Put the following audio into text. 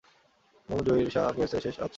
মুহাম্মদ জহির শাহ আফগানিস্তানের শেষ বাদশাহ।